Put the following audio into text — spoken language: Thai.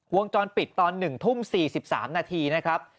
วงจรปิดตอน๑ทุ่ม๔๓นาทีนะครับ